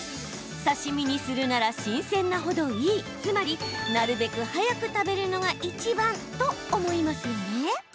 刺身にするなら新鮮な程いいつまり、なるべく早く食べるのがいちばんと思いますよね？